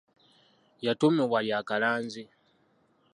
Yatuumibwa lya Kalanzi.